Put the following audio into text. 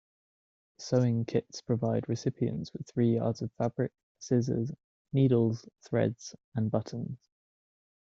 Sewing Kits provide recipients with three yards of fabric, scissors, needles, threads, and buttons.